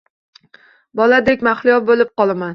Boladek mahliyo bo’lib qolaman.